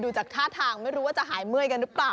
จากท่าทางไม่รู้ว่าจะหายเมื่อยกันหรือเปล่า